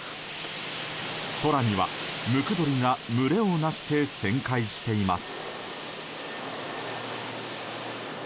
空にはムクドリが群れを成して旋回しています。